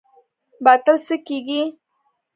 باطل څه کیږي؟